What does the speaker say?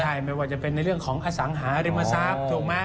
ใช่ไม่ว่าจะเป็นในเรื่องของอสังหาริมทรัพย์ถูกไหม